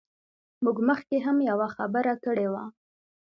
موږ مخکې هم یوه خبره کړې وه.